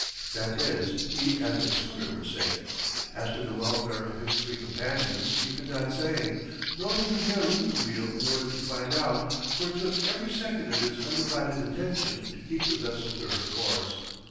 That is, he and the schooner were safe. As to the welfare of his three companions he could not say. Nor did he dare leave the wheel in order to find out, for it took every second of his undivided attention to keep the vessel to her course.